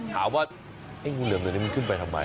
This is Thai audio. ถามว่าไอ้งูเหลือมตัวนี้มันขึ้นไปทำไม